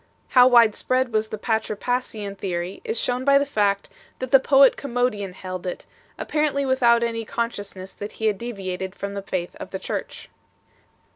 How widespread was the Patripassian_ih_epry is shown by the fact, that the poet Commodian held it, apparently without any consciousness that he had deviated from the faith of the Church.